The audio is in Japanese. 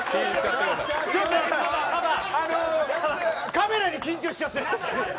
カメラで緊張しちゃって。